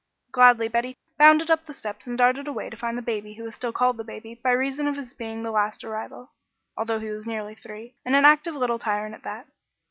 Gladly Betty bounded up the steps and darted away to find the baby who was still called the baby by reason of his being the last arrival, although he was nearly three, and an active little tyrant at that.